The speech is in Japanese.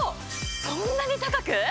そんなに高く？